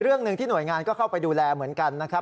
เรื่องหนึ่งที่หน่วยงานก็เข้าไปดูแลเหมือนกันนะครับ